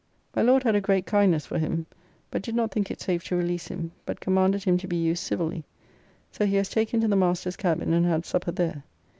My Lord had a great kindness for him, but did not think it safe to release him, but commanded him to be used civilly, so he was taken to the Master's Cabin and had supper there.